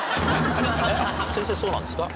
先生そうなんですか？